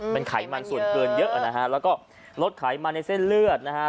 มันไขมันส่วนเกินเยอะนะฮะแล้วก็ลดไขมันในเส้นเลือดนะฮะ